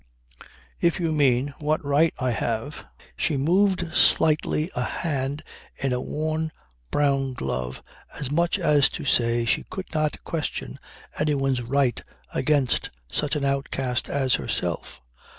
"If you mean what right I have ..." She move slightly a hand in a worn brown glove as much as to say she could not question anyone's right against such an outcast as herself.